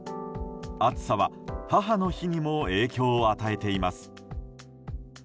暑さは母の日にも影響を与えています。